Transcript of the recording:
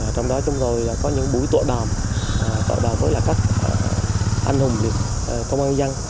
trong đó chúng tôi có những buổi tội đoàn tội đoàn với các anh hùng công an dân